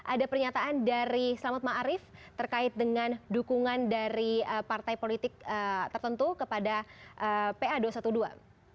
ada pernyataan dari selamat ⁇ maarif ⁇ terkait dengan dukungan dari partai politik tertentu kepada pa dua ratus dua belas